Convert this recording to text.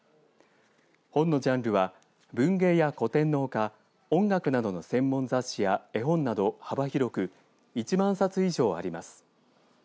本のジャンルは文芸や古典のほか音楽などの専門雑誌や絵本など幅広く１万冊以上あります。